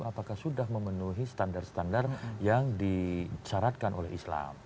apakah sudah memenuhi standar standar yang dicaratkan oleh islam